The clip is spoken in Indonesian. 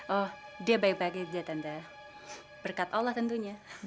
oh dia baik baik aja tante berkat allah tentunya